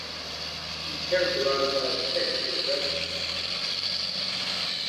He was characterized by his technical wrestling style.